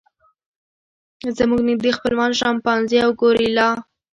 زموږ نږدې خپلوان شامپانزي او ګوریلا دي.